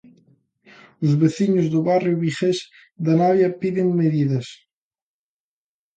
Os veciños do barrio vigués de Navia piden medidas.